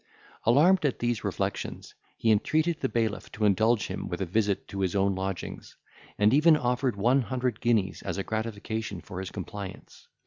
Alarmed at these reflections, he entreated the bailiff to indulge him with a visit to his own lodgings, and even offered one hundred guineas as a gratification for his compliance.